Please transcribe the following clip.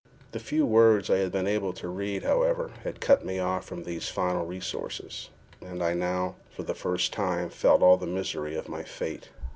The few words I had been able to read, however, had cut me off from these final resources, and I now, for the first time, felt all the misery of my fate.